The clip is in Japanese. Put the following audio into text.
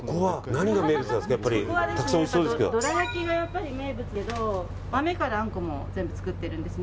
どら焼きが名物なんですけど豆から、あんこも作ってるんです。